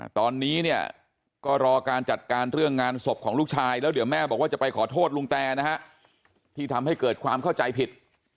ตอนนี้เนี่ยก็รอการจัดการเรื่องงานศพของลูกชายแล้วเดี๋ยวแม่บอกว่าจะไปขอโทษลุงแตนะฮะที่ทำให้เกิดความเข้าใจผิด